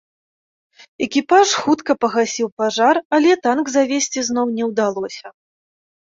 Экіпаж хутка пагасіў пажар, але танк завесці зноў не удалося.